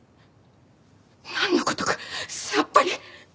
なんの事かさっぱり。